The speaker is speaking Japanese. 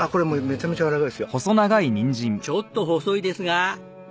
ちょっと細いですが。